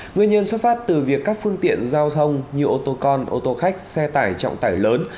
nguyên nhân xuất phát từ việc các phương tiện giao thông như ô tô con ô tô khách xe tải trọng tải lớn